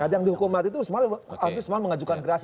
yang dihukum mati itu semalem mengajukan gerasi